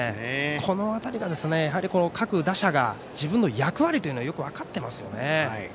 この辺りが各打者が自分の役割をよく分かっていますよね。